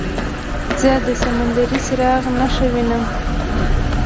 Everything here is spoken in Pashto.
زه د سمندري څراغ نښه وینم.